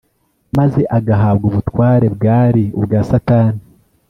maze agahabwa ubutware bwari ubwa Satani